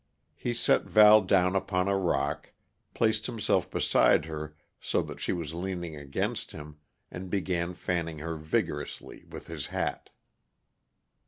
He set Val down upon a rock, placed himself beside her so that she was leaning against him, and began fanning her vigorously with his hat.